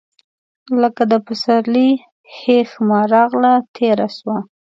لکه د پسرلي هیښمه راغله، تیره سوه